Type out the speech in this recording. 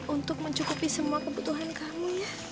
untuk mencukupi semua kebutuhan kamu ya